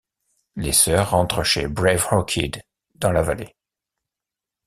Les sœurs rentrent chez Brave Orchid, dans la vallée.